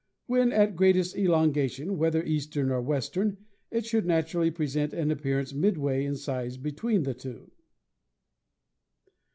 When at greatest elongation, whether eastern or western, it should naturally present an appearance midway in size between the two.